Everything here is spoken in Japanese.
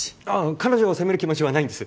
彼女を責める気持ちはないんです。